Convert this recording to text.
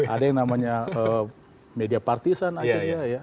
ada yang namanya media partisan akhirnya ya